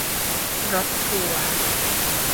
รถทัวร์